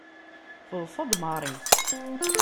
Teḍṣa-d Mary.